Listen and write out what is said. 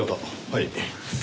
はい。